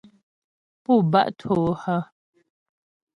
Pú batô hə́ ?